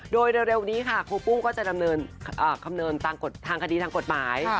โดยในระดับนี้ค่ะครูปุ้มก็จะกำเนินทางคณิย์ทางกฎหมาย